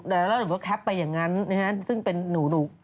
แล้วหนูก็แคปไปอย่างงั้น